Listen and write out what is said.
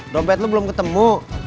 dompet lu belum ketemu